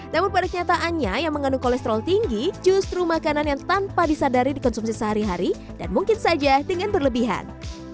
namun pada kenyataannya yang mengandung kolesterol tinggi justru makanan yang tanpa disadari dikonsumsi sehari hari dan mungkin saja dengan berlebihan